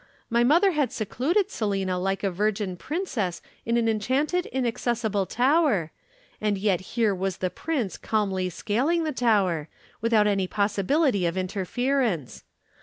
My mother had secluded Selina like a virgin Princess in an enchanted inaccessible tower and yet here was the Prince calmly scaling the tower, without any possibility of interference.